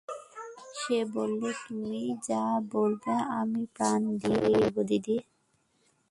সে বললে, তুমি যা বলবে আমি প্রাণ দিয়ে করব দিদি।